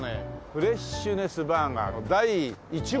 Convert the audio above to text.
フレッシュネスバーガーの第１号店の。